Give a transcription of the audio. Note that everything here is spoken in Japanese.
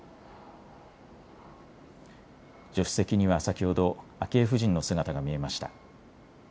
助手席には先ほど昭恵夫人の姿が見えました。